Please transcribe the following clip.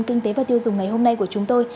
kinh tế và tiêu dùng ngày hôm nay của chúng tôi